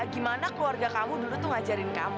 gimana keluarga kamu dulu tuh ngajarin kamu